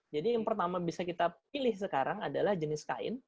jadi yang pertama bisa kita pilih sekarang adalah jenis kain